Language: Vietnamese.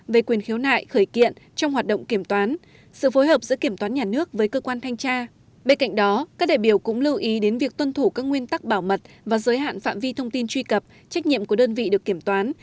với cơ quan thanh tra bên cạnh đó các đại biểu cũng lưu ý đến việc tuân thủ các nguyên tắc bảo mật và giới hạn phạm vi thông tin truy cập trách nhiệm của đơn vị được kiểm toán